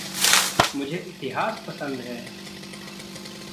मुझे इतिहास पसंद है।